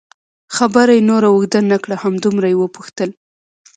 خبره یې نوره اوږده نه کړه، همدومره یې وپوښتل.